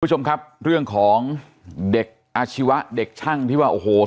คุณผู้ชมครับเรื่องของเด็กอาชีวะเด็กช่างที่ว่าโอ้โห